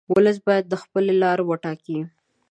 ولس باید خپله لار وټاکي.